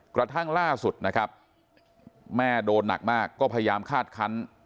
กระทั่งล่าสุดนะครับแม่โดนหนักมากก็พยายามคาดคัน